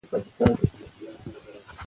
پاکستان دي افغانستان غټ دښمن ده